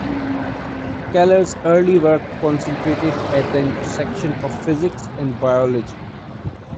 Keller's early work concentrated at the intersection of physics and biology.